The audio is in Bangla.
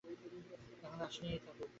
এখন দাসী নিয়েই থাকুক।